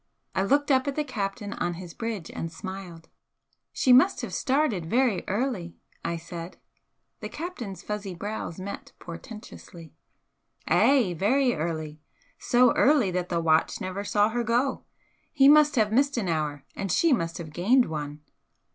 I looked up at the captain on his bridge and smiled. "She must have started very early!" I said. The captain's fuzzy brows met portentously. "Ay! Very early! So early that the watch never saw her go. He must have missed an hour and she must have gained one."